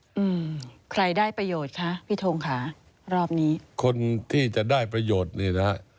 อืมใครได้ประโยชน์คะพี่ทงค่ะรอบนี้คนที่จะได้ประโยชน์นี่นะฮะ